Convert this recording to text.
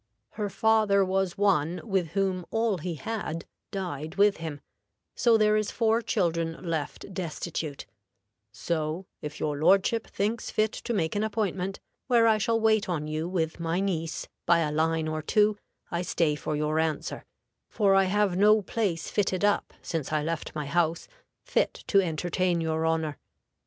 Her father was one with whom all he had died with him, so there is four children left destitute; so, if your lordship thinks fit to make an appointment, where I shall wait on you with my niece, by a line or two, I stay for your answer, for I have no place fitted up, since I left my house, fit to entertain your honor.